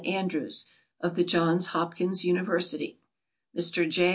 Andrews, of the Johns Hopkins University; Mr. J.